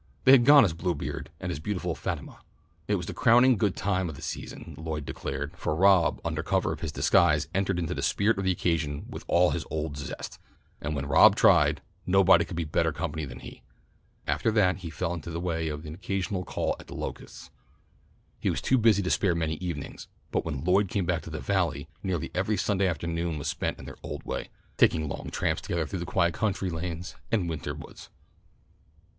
They had gone as Bluebeard and his beautiful Fatima. It was the crowning good time of the season, Lloyd declared, for Rob under cover of his disguise entered into the spirit of the occasion with all his old zest, and when Rob tried, nobody could be better company than he. After that he fell into the way of an occasional call at The Locusts. He was too busy to spare many evenings, but when Lloyd came back to the Valley, nearly every Sunday afternoon was spent in their old way, taking long tramps together through the quiet country lanes and winter woods.